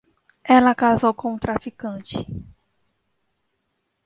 Ela casou com um traficante.